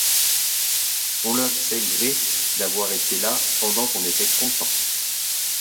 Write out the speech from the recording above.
On leur sait gré d’avoir été là pendant qu’on était content.